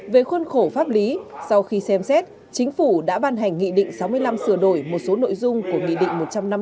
về khuôn khổ pháp lý sau khi xem xét chính phủ đã ban hành nghị định sáu mươi năm sửa đổi một số nội dung của nghị định một trăm năm mươi